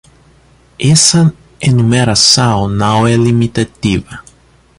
Essa enumeração não é limitativa.